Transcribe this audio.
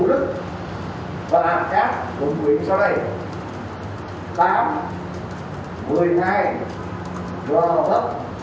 lực lượng giao hàng sử dụng ứng dụng chủ kệ